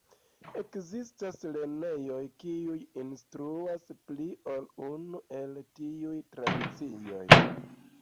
Ekzistas lernejoj kiuj instruas pli ol unu el tiuj tradicioj.